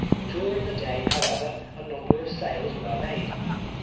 During the day, how ever, a numl)er of sales were made.